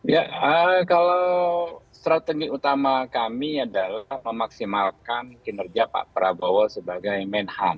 ya kalau strategi utama kami adalah memaksimalkan kinerja pak prabowo sebagai menhan